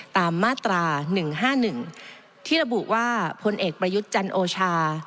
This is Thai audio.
ตามมาตรา๑๕๑ที่ระบุว่าพลเอกประยุทธ์จันโอชา